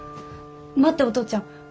待ってお父ちゃん。